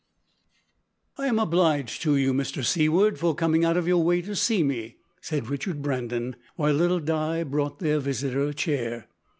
"I am obliged to you, Mr Seaward, for coming out of your way to see me," said Sir Richard Brandon, while little Di brought their visitor a chair.